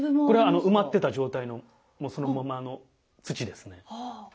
これ埋まってた状態のそのままの土ですね。